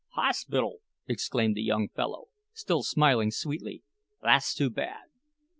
"Hospital!" exclaimed the young fellow, still smiling sweetly, "thass too bad!